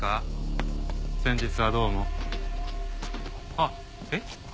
あっえっ？